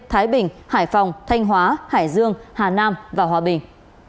thái bình hải phòng thanh hóa hải dương hà nam và hòa bình